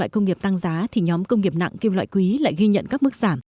và kim loại công nghiệp tăng giá thì nhóm công nghiệp nặng kim loại quý lại ghi nhận các mức giảm